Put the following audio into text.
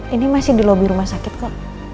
ini masih di lobi rumah sakit kok